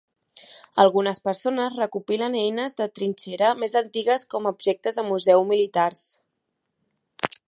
Algunes persones recopilen eines de trinxera més antigues com a objectes de museu militars.